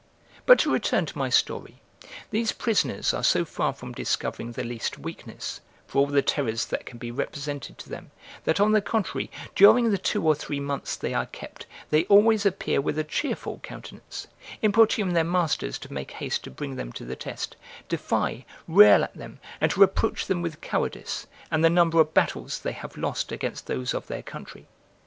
But to return to my story: these prisoners are so far from discovering the least weakness, for all the terrors that can be represented to them, that, on the contrary, during the two or three months they are kept, they always appear with a cheerful countenance; importune their masters to make haste to bring them to the test, defy, rail at them, and reproach them with cowardice, and the number of battles they have lost against those of their country.